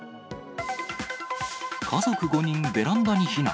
家族５人ベランダに避難。